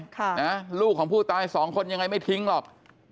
จริงนะรูของผู้ตาย๒คนอย่างไรไม่ทิ้งหรอก